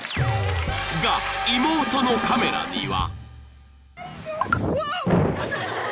［が妹のカメラには］